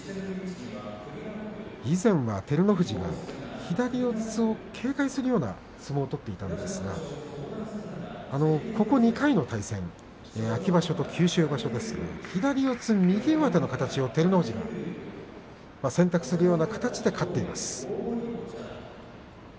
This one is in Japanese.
以前は照ノ富士が左四つを警戒するような相撲を取っていたんですがここ２回の対戦秋場所と九州場所左四つ、右上手の形を照ノ富士が選択するような形で勝っています。